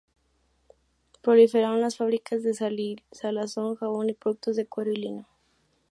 Proliferaron las fábricas de salazón, jabón y productos de cuero y lino.